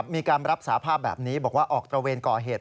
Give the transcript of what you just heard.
มีการรับสาภาพแบบนี้บอกว่าออกตระเวนก่อเหตุ